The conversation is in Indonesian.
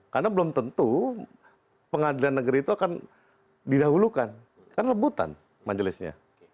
karena belum tentu pengadilan negeri itu akan didahulukan kan lebutan majelisnya